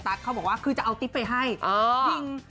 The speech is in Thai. แต่ว่าท่าน